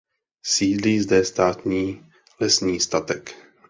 Sídlí zde státní lesní statek.